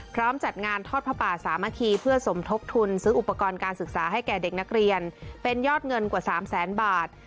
จัดงานทอดพระป่าสามัคคีเพื่อสมทบทุนซื้ออุปกรณ์การศึกษาให้แก่เด็กนักเรียนเป็นยอดเงินกว่า๓แสนบาท